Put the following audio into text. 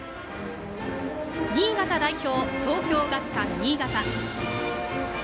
新潟代表、東京学館新潟。